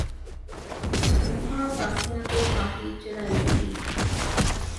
ਦੋਹਾਂ ਪਾਸਿਆਂ ਤੋਂ ਕਾਫ਼ੀ ਚੜ੍ਹਾਈ ਸੀ